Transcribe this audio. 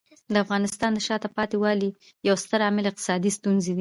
د افغانستان د شاته پاتې والي یو ستر عامل اقتصادي ستونزې دي.